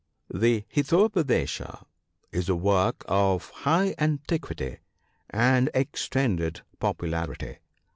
The " Hitopadesa " is a work of high antiquity, and extended popularity.